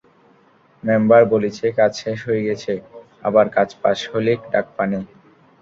Member বলিছে কাজ শেষ হয়ে গেছে, আবার কাজ পাস হলি ডাকপানি।